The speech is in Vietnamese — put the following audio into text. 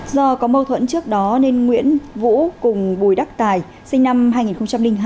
do có mâu thuẫn trước đó nên nguyễn vũ cùng bùi đắc tài sinh năm hai nghìn hai